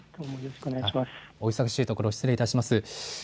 お忙しいところ失礼します。